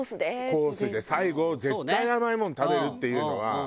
コースで最後絶対甘いもの食べるっていうのは。